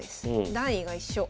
段位が一緒。